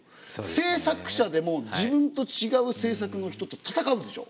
制作者でも自分と違う制作の人と闘うでしょ？